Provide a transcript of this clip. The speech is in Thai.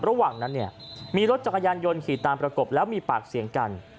ระหว่างนั้นเนี่ยมีรถจักรยานยนต์ขี่ตามประกบแล้วมีปากเสียงกัน